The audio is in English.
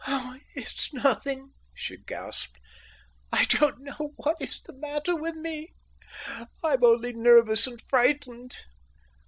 "Oh, it's nothing," she gasped. "I don't know what is the matter with me. I'm only nervous and frightened."